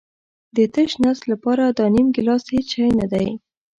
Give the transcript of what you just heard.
د تش نس لپاره دا نیم ګیلاس هېڅ شی نه دی.